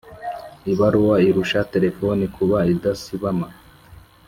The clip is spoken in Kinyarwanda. ibaruwa irusha terefoni kuba idasibama